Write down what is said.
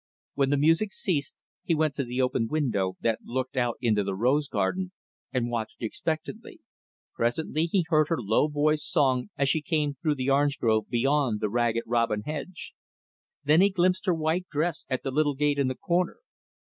When the music ceased, he went to the open window that looked out into the rose garden, and watched expectantly. Presently, he heard her low voiced song as she came through the orange grove beyond the Ragged Robin hedge. Then he glimpsed her white dress at the little gate in the corner.